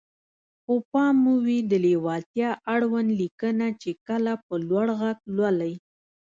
خو پام مو وي د ليوالتيا اړوند ليکنه چې کله په لوړ غږ لولئ.